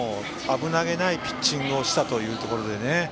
危なげないピッチングをしたというところで。